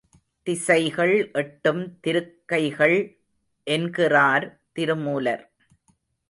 திசைகள் எட்டும் திருக்கைகள் என்கிறார் திருமூலர்.